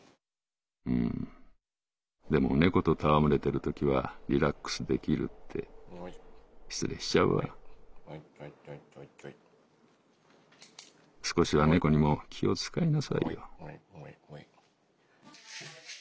「うーんでも猫と戯れてるときはリラックスできる．．．．．．って失礼しちゃうわ少しは猫にも気を遣いなさいよ！」。